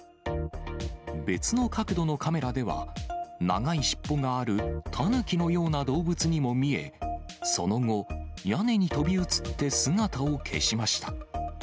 別の角度のカメラでは、長い尻尾があるタヌキのような動物にも見え、その後、屋根に飛び移って、姿を消しました。